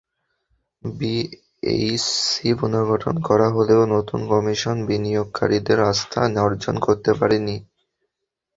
BSEC পুনর্গঠন করা হলেও নতুন কমিশন বিনিয়োগকারীদের আস্থা অর্জন করতে পারেনি।